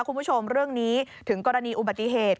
คุณผู้ชมเรื่องนี้ถึงกรณีอุบัติเหตุ